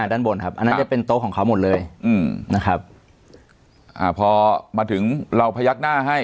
ด้านบนครับอันนั้นจะเป็นโต๊ะของเขาหมดเลยอืมนะครับอ่าพอมาถึงเราพยักหน้าให้